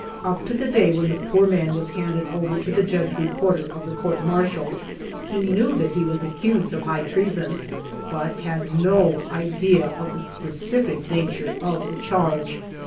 Up to the day when the poor man was handed over to the Judge Reporter of the Court Martial, he knew that he was accused of high treason, but had no idea of the specific nature of the charge.